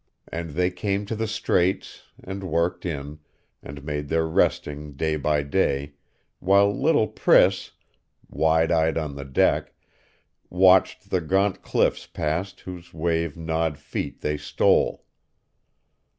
And they came to the Straits, and worked in, and made their westing day by day, while little Priss, wide eyed on the deck, watched the gaunt cliffs past whose wave gnawed feet they stole.